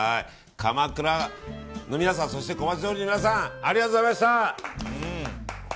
鎌倉の皆さんそして小町通りの皆さんありがとうございました！